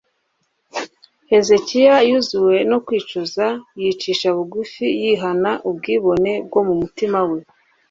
hezekiya yuzewe no kwicuza, yicisha bugufi yihana ubwibone bwo mu mutima we